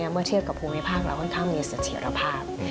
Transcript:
เมื่อเทียบกับภูมิภาคเราค่อนข้างมีเสถียรภาพ